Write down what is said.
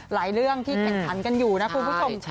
หลายเรื่องที่แตกทันกันอยู่นะคุณผู้ชม